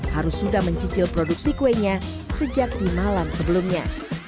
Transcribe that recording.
harus sudah mencicil produksi kuenya sejak di malam sebelumnya